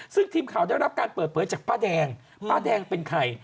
ซึ่งทีมข่าวได้รับการเปิดเผยจากป้าแดงป้าแดงเป็นใคร